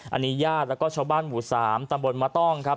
อันนี้ญาติแล้วก็ชาวบ้านหมู่๓ตำบลมะต้องครับ